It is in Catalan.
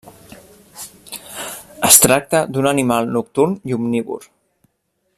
Es tracta d'un animal nocturn i omnívor.